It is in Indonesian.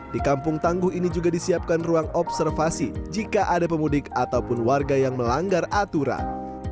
di kampung tangguh ini juga disiapkan ruang observasi jika ada pemudik ataupun warga yang melanggar aturan